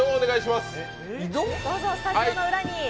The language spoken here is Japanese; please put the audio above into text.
まずはスタジオの裏に。